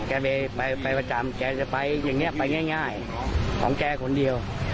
แกไปประจำแกจะไปอย่างนี้ไปง่ายของแกคนเดียว